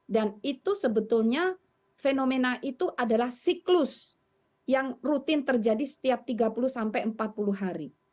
dan itu sebetulnya fenomena itu adalah siklus yang rutin terjadi setiap tiga puluh sampai empat puluh hari